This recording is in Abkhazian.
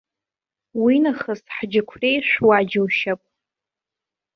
Уинахыс ҳџьықәреи шәуа џьушьап.